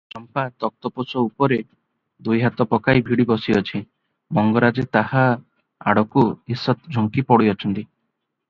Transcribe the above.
ଚମ୍ପା ତକ୍ତପୋଷ ଉପରେ ଦୁଇହାତ ପକାଇ ଭିଡ଼ି ବସିଅଛି; ମଙ୍ଗରାଜେ ତାହା ଆଡକୁ ଈଷତ୍ ଝୁଙ୍କି ପଡ଼ିଅଛନ୍ତି ।